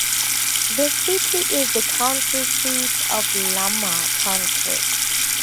The city is the county seat of Lamar County.